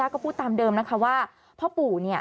ก็พูดตามเดิมนะคะว่าพ่อปู่เนี่ย